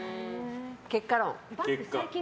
結果論。